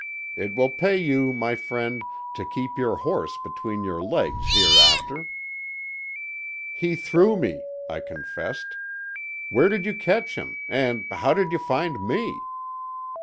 It will pay you, my friend, to keep your horse between your legs hereafter." "He threw me," I confessed. "Where did you catch him? And how did you find me?"